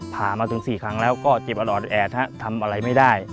ผ่ามาถึง๔ครั้งแล้วก็เจ็บอรอดแอดฮะทำอะไรไม่ได้